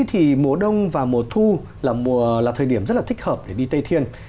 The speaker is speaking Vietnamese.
thì mùa đông và mùa thu là thời điểm rất là thích hợp để đi tây thiên